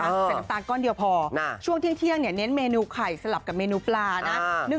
น้ำตาลก้อนเดียวพอช่วงเที่ยงเน้นเมนูไข่สลับกับเมนูปลานะ